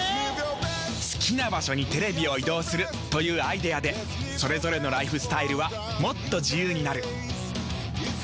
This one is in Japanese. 好きな場所にテレビを移動するというアイデアでそれぞれのライフスタイルはもっと自由になる。